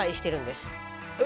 え？